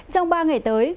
trong ba ngày tới